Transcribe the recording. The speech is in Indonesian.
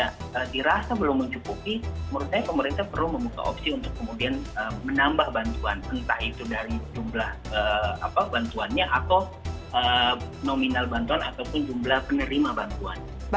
karena dirasa belum mencukupi menurut saya pemerintah perlu membuka opsi untuk kemudian menambah bantuan entah itu dari jumlah bantuannya atau nominal bantuan ataupun jumlah penerima bantuan